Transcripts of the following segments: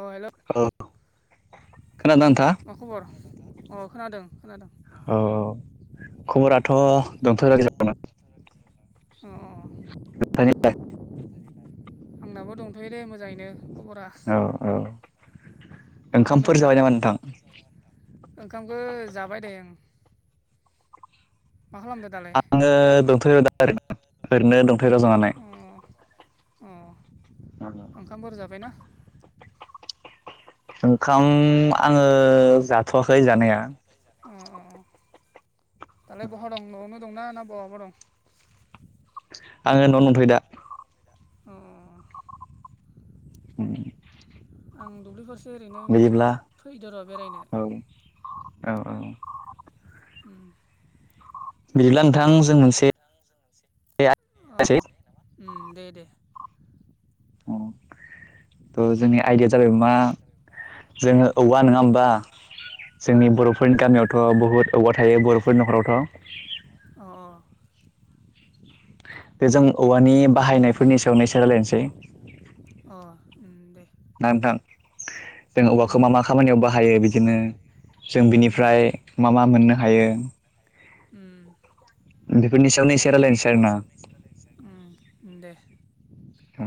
अ hello औ खोनादोंना नोंथाङा? [unintelligible] खबर अ' खोनादों खोनादों। औ औ खबराथ' दंथ' [unintelligible] [unintelligible] [unintelligible] आंनाबो दंथ'यो लै मोजाङैनो खबर औ औ [unintelligible] मा खालामदों ओंखामफोर जाबाय नोंथाङालाय? नामा नोंथां? [unintelligible] ओंखामखौ जाबाय दे उम। मा खालामदों? दालाय ओ दंथ'यो दा [inaudible] ओरैनो दंथायराजों अ अ ओंखामफोर जाबायना? ओंखाम आङो जाथ'वाखै जानाया अ अ अ दालाय बहा दं नवावनो दं ना ना बहाबा दं? आङो न'आवनो दंथ'यो दा अ [unintelligible] आं दुब्लिफारस नुयोब्ला औ औ औ उम बिदिला नोंथां ज [unintelligible] आ उम दे दे अ' थ' जोंनि आइदिया जाबाय मा जोङो औवा नोङा ओमबा अ जोंनि बर'फोरनि गामियावथ' बुहुद औवा थायो बर'फोरनि न'खरावथ' [unintelligible] अ बेजों दङ उम उम [unintelligible] अ उम दे ना नोंथां जों उम औवाखौ मा मा खामानियाव बाहायो बिदिनो जों उम बिनिफ्राय मा मा मोननो हायो [unintelligible] ओम बेफोरनि सायावनो एसे रायलायन सो [unintelligible] ओम दे औ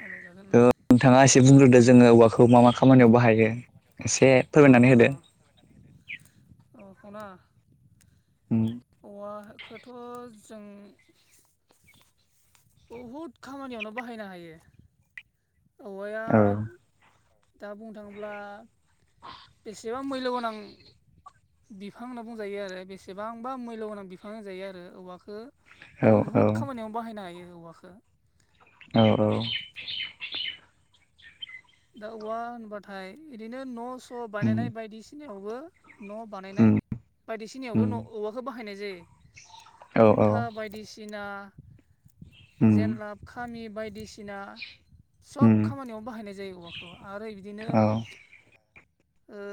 रायलायजागोन उम नोंथाङा इसे बुंग्रोदो जोङो औवाखौ मा मा खामानियाव बाहायनो एसे फोरमायनानै होदो [unintelligible] अ खना उम औवाखोथ' जों बहुद खामानियावनो बाहायनो हायो। औवाया औ दा बुंनो थाङोब्ला बेसेबां मैल्य गोनां बिफां होनना बुंजायो आरो बेसेबांबा मैल्य गोनां बिफां होनजायो आरो औवाखो औ औ बुहुद खामानियाव बाहायनो हायो औवाखो औ औ दा औवा होनबाथाय इरिनो न' स' उम बानायनाय बायदिसिनायावबो न' बानायनाय उम उम बायदिसिनायावबो' औवाखौ बाहायनाय जायो औ औ खुन्था बायदिसिना उम जेनलाब खामि बायदिसि इना सब उम खामानियाव बाहायनाय जायो उ आरो बिदिनो औ ओ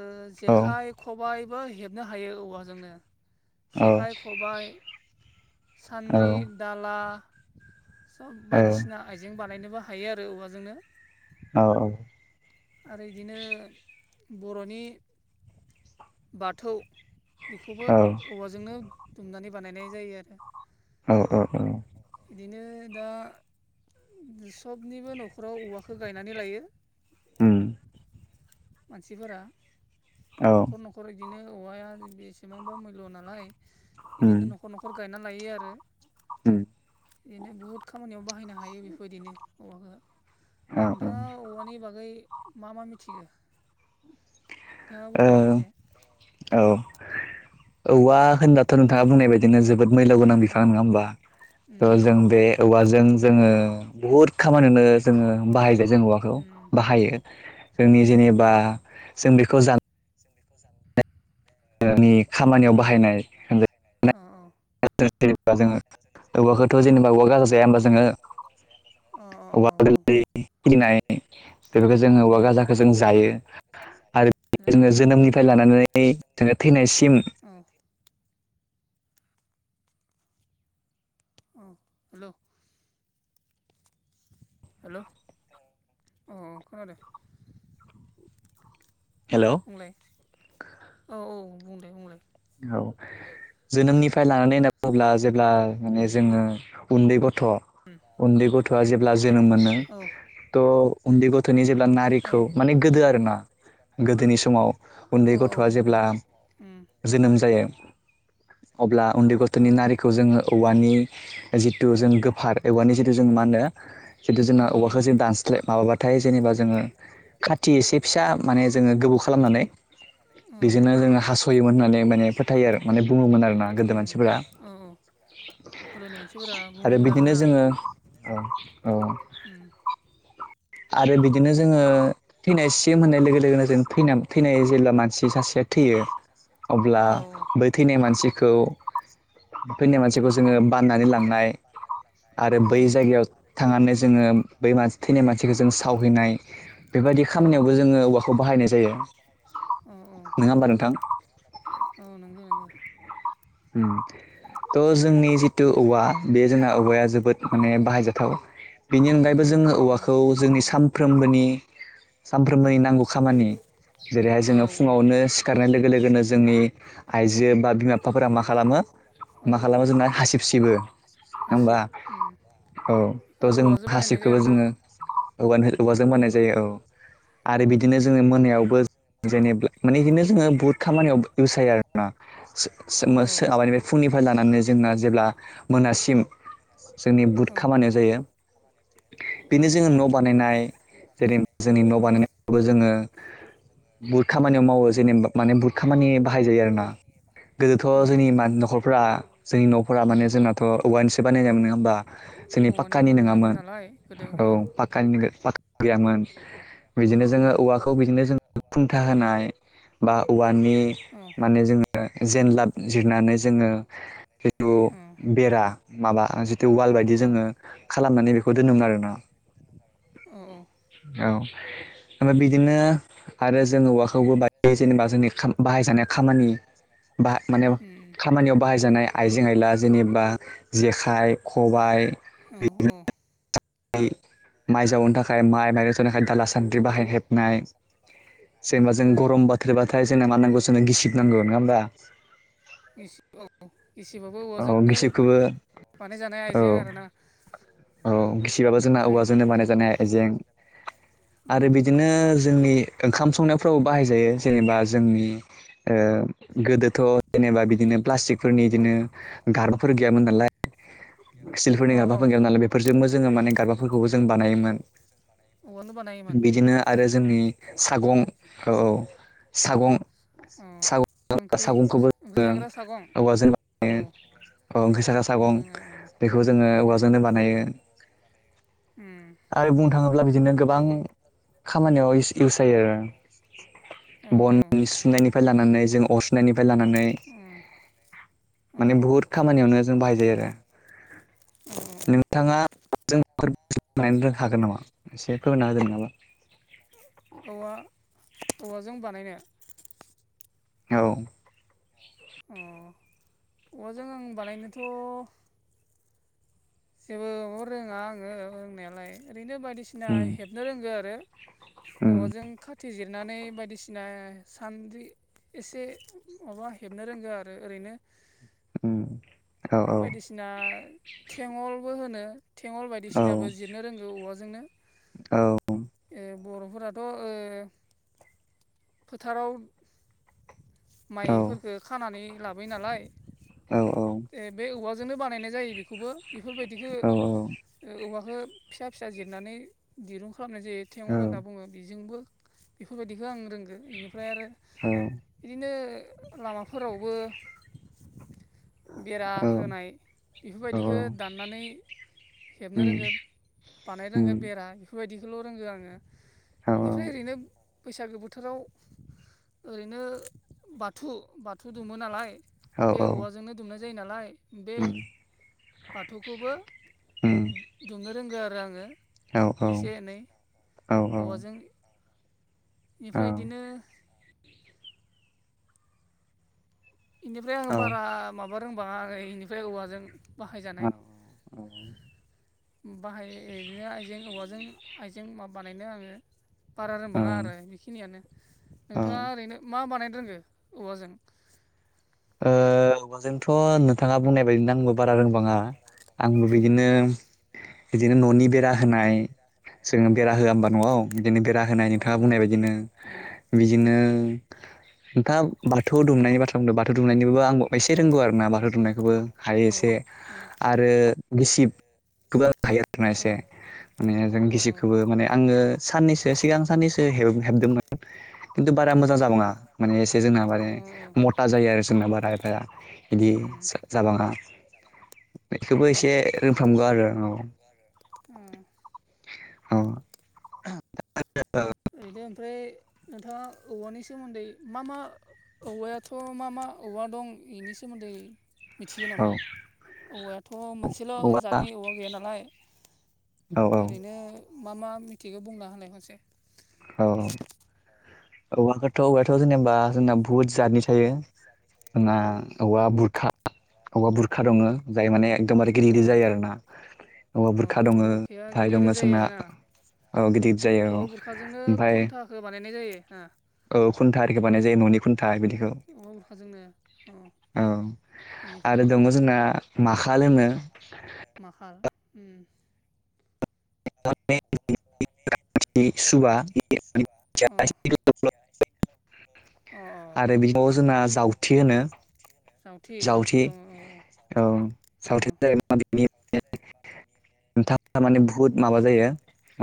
औ जेखाइ खबाइबो हेबनो हायो औवाजोंनो। जेखाइ, खबाय, औ सान्द्रि, दाला, सब बायदिसिना आइजें बानायनोबो हायो आरो औवाजोंनो औ औ आरो इदिनो बर'नि बाथौ बेखौबो औ औवाजोंनो दुमनानै बानायनाय जायो आरो औ औ औ बिदिनो दा सबनिबो न'खराव औवाखौ गायनानै लायो। उम मानसिफोरा औ न'खर न'खर न'खर बिदिनो औवाया बेसेबांबा मुल्य नालाय, उम बिदिनो न' न'खर न'खर गायना लायो आरो उम बिदिनो बुहुद खामानियाव बाहायनो हायो बेफोरबायदिनो औवाखौ औ नोंथाङा औवानि बागै मा मा मिथिगौ? नोंथाङा ओ बुंलाय एसे औ औवा होनबा थ' नोंथाङा बुंनाय बायदिनो जोबोद मैल' गोनां बिफां नङा होमबा थह जों बे औवाजों जोङो बुहुद खामानियावनो जोङो बाहागोन जों औवाखौ बाहायो जोंनि बाहायो जेनेबा जों बेखौ जा जानायनि खामानियाव बाहायनाय [unintelligible] अ ओ ओ [unintelligible] जोङो जोङोजे औवाखौथ' जेनेबा औवा गाज जाया होनबा जोङो अ अ औवा अ गोरलै अ खिलिनाय बेफोरखौ जोङो औवा गाजाखौ जों जायो। आरो जोङो जायो जोनोमनिफ्राय लानानै जोङो थैनायसिम औ औ हेल' हेल' औ खोनादों हेल'। बुंलाय औ औ बुंदे बुंलाय औ जोनोमनिफ्राय लानानै होनना बुङोब्ला जेब्ला माने जोङो उन्दै गथ' बुङोब्ला उन्दै गथ'आ जेब्ला जोनोम मोनो औ थ' उन्दै गथ'नि जेब्ला औ नारिखौ माने गोदो आरोना गोदोनि समाव उन्दै औ गथ'आ गोदो जेब्ला उम जोनो जायो अब्ला उन्दै औ गथ'नि नारि खौ जोङो औवानि जिथु जों गो पार औवानि जितु जों मा होनो जिथु जोंना औवाखौ जों दानस्लाय माबाबाथाय जेनेबा जोङो खाथि एसे फिसा माने जोङो गोबौ खालामनानै बेजोंनो जोङो हास'योमोन होननानै माने फोथायो आरो माने बुङोमोन आरोना गोदो मानसिफोरा। उम औ गोदोनि मानसिफोरा बुङोमोन आरोना अ औ उम आरो बिदिनो जोङो थैनायसिम होननाय लोगो लोगोनो जों थैनाय जेब्ला मानसि सासेया थैयो अब्ला औ बै थैनाय मानसिखौ थैनाय मानसिखौ उम जोङो बाननानै लांनाय आरो औ बै जायगायाव थांनानै जोङो बै मानसि थैनाय मानसि जेखौ जों सावहैनाय बेबायदि औ खामानियावबो जोङो औवाखौ बाहायनाय जायो औ औ। नङा होमबा नोंथां औ नंगौ नोंगौ उम थ' जोंनि जि थु औवा बे जोंना औवाया जोबोद माने बाहायजाथाव बेनि अनगायैबो जोङो बाहायजानाय ओ औवाखौ बाहायजाथाव जोंनि उम साम फ्रोमबोनि सानफ्रोमबोनि उम नांगौ खामानि। बेबायदिनो फुङावनो जेरैहाय जोङो फुङावनो सिखारनाय लोगो लोगोनो जोंनि आइजो बा बिमा बिफाफोरा आइजो मा बा खालामो बिमा बिफाफोरा मा जोंना हासिब सिबो खालामो नङा अ अ होमबा हासिब उम औ बेखौ औवाजों बानायनाय जायो आरोना। औ औवाजों मोननाय जायो औ औ आरो बिदिनो आबादनिफ्राय जोङो मोनायावबो जेनेब माने बिदिनो जोङो बुहुत खामानियाव इउस जायो आरोना। [unintelligible] फुंनिफ्राय माबानि बे फुंनिफ्राय लानानै जोंना जेब्ला मोनासिम जोंनि बहुद खामानिया जायो बेनो जोङो न' बानायनाय जेरै जोंनि न' बानायनायबो जोङो बहुद खामानियाव मावो जेनेबा माने बुहुद खामानि बाहाय जायो आरो ना। गोदोथ' जोंनि मा न'खरफोरा जोंनि न'फोरा माने जोंनाथ' औवानिसे बानायनाय मोन नङाहोमबा? औवानिनो गोजामोन नालाय गोदो अ। [unintelligible] गैयामोन। बिदिनो जोङो औवानि औवाखौ बिदिनो जों खुंथा होनाय बा औवानि अ मानि जोङो जेनलाब जिरनानै जोङो हयथु माबानानै बेरा माबा जितु वाल बायदि जोङो खालामनानै बेखौ दोनोमोन आरो ना। औ औ औ बा बिदिनो आरो जोङो औवाख खौबो बा जेनेबा जोंनि खाम बाहायजानाय खामानि बा माने खामानियाव बाहायजानाय आइजें आइला जेनेबा जेखाइ खबाइ औ औ माइ जावनो थाखाय माइ माइरं जनो थाखाय दाला सान्द्रि बाहायनो हेबनाय। जेनेबा जों खबाय गरम बाथोरबाथाय जों जोंनो मा नांगौ जोंनो गिसिब नांगौ नङा होनोमबा? इस औ गिसिबाबो औवाजों औ नो गिसिबखौबो बानायजानाय औ आइजें आरोना। औ अ गिसिबाबो जोंना ओमफ्राय औवाजोंनो बानाय जानाय आइजें उम आरो बिदिनो जोंनि ओंखाम संनायफ्रावबो बाहाय जायो जेनेबा जोंनि ओ गोदो थ' जेनेबा बिदिनो प्लास्टिकफोरनि अ बिदिनो गारबाफोर गैयामोन नालाय। सिलफोरनि अ औ गारबाफोर गैयामोन नालाय बेफोरजोंबो जोङो माने गारबाफोरखौबो जों बानायोमोन। औवानो बानायोमोन बिदिनो आरो जोंनि सागं औ औ सागं अ सागं ओंख्रि सागंखौबो ओंख्रि दों साग्रा सागं औवा जेनेबा औ अ ओंख्रि साग्रा अ सागं जोंना बेखौ जोङो औवाजोंनो बानायो। [unintelligible] उम आरो बुंनो थाङोब्ला बिदिनो गोबां खामानियाव इस इउस जायो आरो। [unintelligible] बन औ सुनायनिफ्राय लानानै जों अरसुनायनिफ्राय लानानै माने लानानै बुहुत खामानियावनो जों बाहाय जायो आरो। नोंथाङा जों बनो रों हागोन नामा एसे फोरमायना होदोंमोन नामा? औ औवाजों बानायनो औ अ औवाजों आं बानायनोथ' जेबो रोङा आङो रोंनायालाय ओरैनो बायदिसि ना उम हेबनो रोंगौ आरो उम औवाजों खाथि जिरनानै बायदिसिना सान्द्रि एसे माबा हेबनो रोंङो आरो ओरैनो। उम औ बायदिसिना थेङलबो होनो थेङल औ बायदिसिनाबो जिरनो रोंगौ औवाजोंनो औ ओ बर'फोराथ' ओ फोथाराव औ माइफोरखो खानानै लाबोयो नालाय औ औ ए बे औवाजोंनो बानायनाय जायो बेखौबो बेफोरबायदिखौ औ ओ औवाखो फिसा फिसा जिरनानै दिरुं खालामनाय जायो थेङल होनना औ बुङो बिजोंबो बेफोरबायदिखौ आं रोंगो इनिफ्राय आरो औ बिदिनो लामाफोरावबो बेरा औवाजोंथ' होनाय बिफोरबायदिखो नोंथाङा दाननानै हेबनो रोंगो बानायनो रोंगो बेरा बिफोरबायदिखौल' रोंगो आङो इनिफ्राय ओरैनो बैसागो बोथो थोराव ओरैनो बाथु बाथु दुमो नालाय बे औवाजोंनो दुमनाय जायो नालाय बे बाथुखौबो दुमनो रोंगो आरो आङो इसे एनै औवाजों इनिफ्राय बिदिनो इनिफ्राय आरो बारा माबा रोंबाङा आङो इनिफ्राय औवाजों बाहायजानाय बाहाय इदिनो आइजें औवाजों आइजें मा बानायनो आङो बारा रोंबाङा आरो इखिनियानो नोंथाङा ओरैनो मा बानायनो रोंगो औवाजों ओ नोंथ' नोंथाङा बुंनाय बायदिनो आंबो बारा रोंबाङा रोंबाङा आंबो उम बिदिनो बिदिनो न'नि बिदिनो औ जोङो होआ होमबा न'आव होनायनिफ्राय ओमफ्राय बिदिनो दा बाथौ दुमनायनि बाथ्रा बुंदों बाथौ दुमनायखौबो आंबो एसे रोंगौ आरोना बाथौ दुमनायखौ आरो एसे मावनो हायो बेरा होनाय जोङो बेरा होआ ओनबा न'आव बिदिनो बेरा होनाय नोंथांआ बुंनाय बादिनो बिदिनो नोंथांआ बाथौ दुमनायनि बाथ्रा बुंदों बाथौ दुमनायनिबो आं आंबो एसे रोंगौ आरोना बाथौ दुमनायखौबो हायो एसे आरो गिसिब [unintelligible] आरो ना एसे माने जों आरोना गिसिबखोबो माने आङो साननैसो सिगां साननैसो हेब हेबदोंमोन खिन्थु बारा एसे मोजां खिन्थु [unintelligible] माने एसे जोंहा माने मता जायो आरो जोंना [unintelligible] बिदि जाबाङा थेवबो एसे रोंफ्रामगौ आरो औ अ औ ओरैनो ओमफ्राय नोंथाङा औवानि सोमोन्दै मा मा औवायाथ' मा मा औवा दं इनि सोमोन्दै मिथियो औ नामा औवायाथ' मोनसेल' जातनि औवा गैया नालाय औ ओरैनो मा मा मिथिगो बुंना होनाय मोनसे औ औवाखौथ' औवायाथ' जेनेबा जोंना बुहुत जातनि थायो जोंना औ औवा बुरखा औवा बुरखा दङो जाय औ माने एकदमबारे गिदिर औ गिदिर जायो आरो ना औवा अ भुरखा औवा दङो बुरखाया ओमफाय गिदिर दङ गिदिर जायो जोंना आरोना औ गिदिर जायो औ जोंनो ओमफ्राय खन्थाखो बानायनाय जायो हो औ खुन्था आरिखो बानायनाय जायो न'नि खुन्था बिदिखौ औवा बुरखाजोंनो अ औ बेनिफ्राय आरो दङो जोंना माखाल होनो माखाल ओम [inaudible] थि सुबा [unintelligible] अ आरो बिखो जोंना जावथि होनो जावथि जावथि जावथे दङ औ औ औ सावथे था [unintelligible] नोंथाङा माने बुहुद माबा जायो।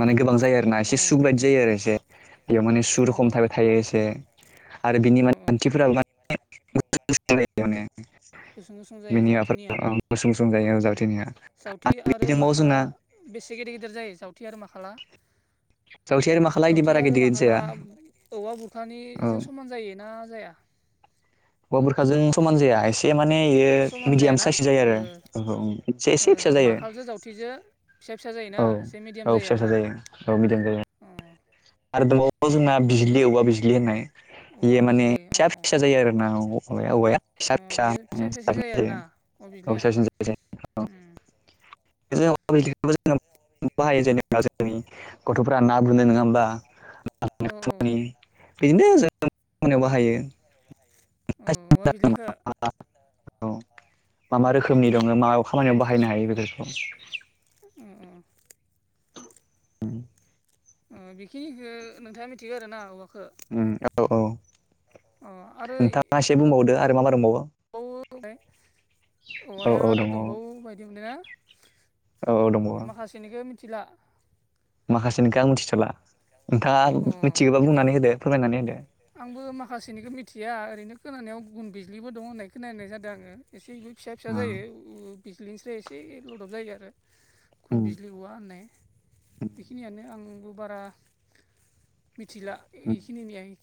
माने गोबां जायो आरो ना एसे गोथां सु बायदि जायो आरोना आरो एसे सु बायदि जायो आरो बेयाव एसे माने सुरुखम बेदरा माने थाबाय थायो सु एसे। रखम थाबाय थायो आरो बिनि मान खान्थिफोराबो [unintelligible] [unintelligible] गुसुं गुसुं जायो बिनि जावथिनिया माबाफोरा औ गुसुं गुसुं जायो ओम जावथेनिया जावथि बिदि आरो दंबावो माखला जोंना बेसे गेदेर गेदेर जायो जावथे आरो माखाला जावथे आरो माखाला इदि जावथे बारा आरो गिदिर गिदिर माखाला जाया औवा औ बुरखानिजों समान जायोना जाया? औवा बुरखाजों समान जाया एसे बुरखाजों माने इयो समान मिडियाम जायाना साइस जायो ओ आरो औ एसे ओ एसे फिसा जायो माखालजो जावथेजो फिसा फिसा जायोना औ एसे मिडियाम औ जायो फिसा आरो फिसा ना। जायो औ मिदियाम जायो। आरो दंबाव वो जोंना बिज्लि औवा बिज्लि होननाय औवा बेयो माने बिजलि औ फिसा औ फिसा जायो आरो ना औवाया। अ फिसा फिसा इयो फिसासिन जायो आरोना औवा बिजलिया उम [unintelligible] ना [unintelligible] गथ'फोरा ना बोनो नङा होमबा? औ [unintelligible] बेजों खामानि जोङो बिदिनो जों खामानियाव बाहायो। औ औवा बिज्लिखो। औ मा मा रोखोमनि दङ मा खामानियाव बाहायनो हायो बेफोरखौ? अ अ अ। ओ बेखिनिखो नोंथाङा मिथिगो आरो ना औवा ओम औ औ अ नोंथाङा एसे बुंबावदो आरो मा मा दंबावो। औ होनलाय औ औवाया औ दङ आरो दंबावो बायदि मोनदोना? औ औ दंबावो। बेनिखो मिथिला। माखासेनिखो आं मिथिथ'ला अ नोंथाङा मिथिगौबा बुंनानै होदो फोरमायनानै होदो। आंबो माखासेनिखो मिथिया ओरैनो खोनानायाव गुन बिजलिबो दं होननाय खोनानाय जादो आङो। एसे एनै फिसा फिसा औ जायो बिजलिनिफ्राय एसे लदब जायो आरो। खुन उम बिजलि औवा होननाय उम बेखिनियानो आंबो बारा मिथिला उम इखिनिनिया इख